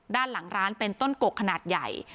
ด้านหลังร้านเป็นต้นกกขนาดใหญ่